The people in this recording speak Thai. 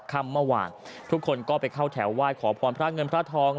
ค่ำเมื่อวานทุกคนก็ไปเข้าแถวไหว้ขอพรพระเงินพระทอง